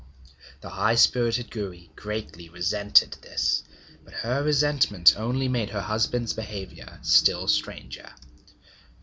The high spirited Gouri greatly resented this, but her resentment only made her husband's behaviour still stranger.